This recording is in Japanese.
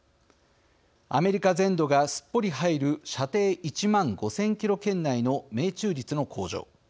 アメリカ全土がすっぽり入る射程１万５０００キロ圏内の命中率の向上。